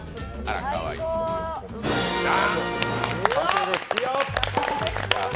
完成です。